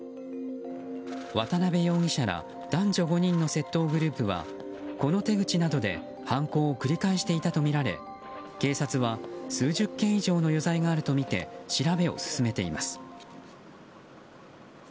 渡辺容疑者ら男女５人の窃盗グループはこの手口などで犯行を繰り返していたとみられ警察は数十件以上の余罪があるとみて調べを進めています。